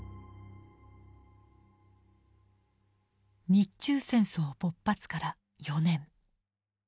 日中戦争勃発から４年。